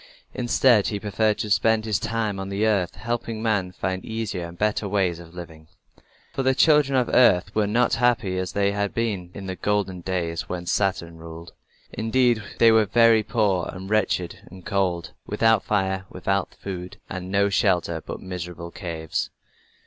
Instead he preferred to spend his time on the earth, helping men to find easier and better ways of living. For the children of earth were not happy as they had been in the golden days when Saturn ruled. Indeed, they were very poor and wretched and cold, without fire, without food, and with no shelter but miserable caves.